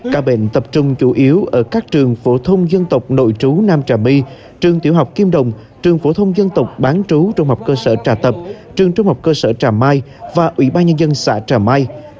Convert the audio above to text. ca bệnh tập trung chủ yếu ở các trường phổ thông dân tộc nội trú nam trà my trường tiểu học kim đồng trường phổ thông dân tộc bán trú trung học cơ sở trà tập trường trung học cơ sở trà mai và ủy ban nhân dân xã trà mai